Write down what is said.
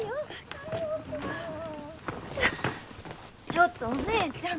ちょっとお姉ちゃん。